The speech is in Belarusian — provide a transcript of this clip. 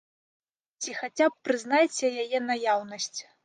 Ці хаця б прызнайце яе наяўнасць.